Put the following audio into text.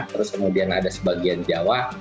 terus kemudian ada sebagian jawa